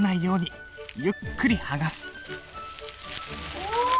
お！